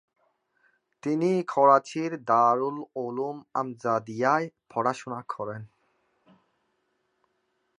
তিনি করাচির দারুল উলূম আমজাদিয়ায় পড়াশুনা করেন।